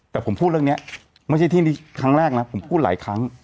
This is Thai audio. แต่ผมพูดเรื่องนี้ไม่ใช่ที่ครั้งแรกนะผมพูดหลายครั้ง